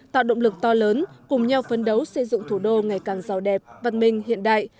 tạo động lực to lớn cùng nhau phấn đấu xây dựng thủ đô ngày càng giàu đẹp văn minh hiện đại